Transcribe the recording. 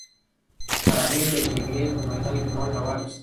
هغې د جګړې په میدان کې ونډه واخیسته.